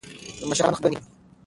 د مشرانو خبره ومنئ.